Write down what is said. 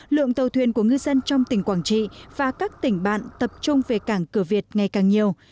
lượng tàu thuyền của ngư dân trong tỉnh quảng trị và các tỉnh bạn tập trung về cảng cửa việt ngày càng nhiều